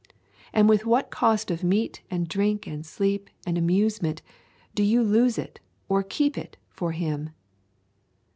And with what cost of meat and drink and sleep and amusement do you lose it or keep it for Him?